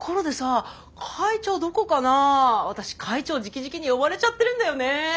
私会長じきじきに呼ばれちゃってるんだよね。